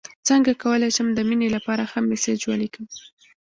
څنګه کولی شم د مینې لپاره ښه میسج ولیکم